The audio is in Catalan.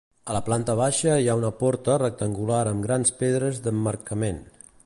A la planta baixa, hi ha una porta rectangular amb grans pedres d'emmarcament.